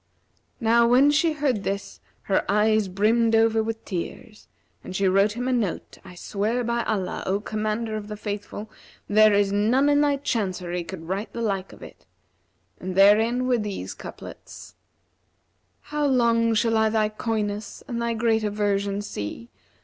Now when she heard this her eyes brimmed over with tears and she wrote him a note, I swear by Allah, O Commander of the Faithful, there is none in thy Chancery could write the like of it; and therein were these couplets, 'How long shall I thy coyness and thy great aversion see?